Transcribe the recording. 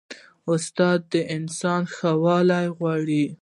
استاد د انسان ښه والی غواړي.